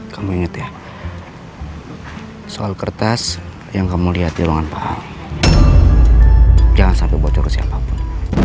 kamu ingat ya soal kertas yang kamu lihat di ruangan pak ahok jangan sampai bocor siapapun